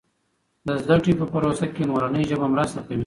د زده کړې په پروسه کې مورنۍ ژبه مرسته کوي.